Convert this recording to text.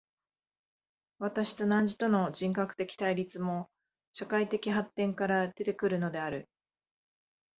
私と汝との人格的対立も、社会的発展から出て来るのである。